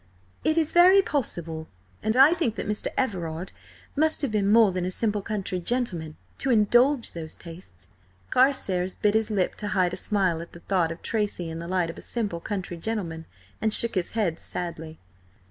"It is very possible. And I think that Mr. Everard must have been more than a simple country gentleman to indulge those tastes." Carstares bit his lip to hide a smile at the thought of Tracy in the light of a simple country gentleman, and shook his head sadly.